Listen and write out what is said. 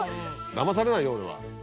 だまされないよ俺は。